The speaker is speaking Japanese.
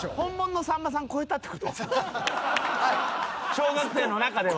小学生の中では。